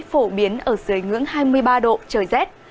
phổ biến ở dưới ngưỡng hai mươi ba độ trời rét